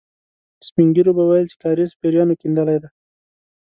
سپين ږيرو به ويل چې کاریز پېريانو کېندلی دی.